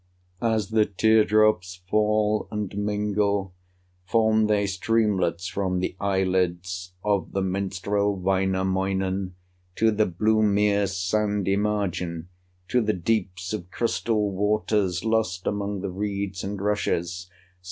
As the tear drops fall and mingle, Form they streamlets from the eyelids Of the minstrel, Wainamoinen, To the blue mere's sandy margin, To the deeps of crystal waters, Lost among the reeds and rushes.